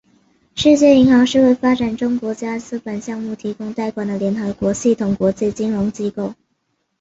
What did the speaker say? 世界银行是为发展中国家资本项目提供贷款的联合国系统国际金融机构。